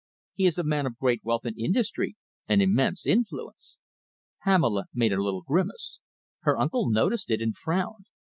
He is a man of great wealth and industry and immense influence." Pamela made a little grimace. Her uncle noticed it and frowned.